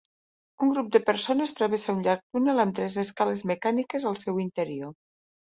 Un grup de persones travessa un llarg túnel amb tres escales mecàniques al seu interior.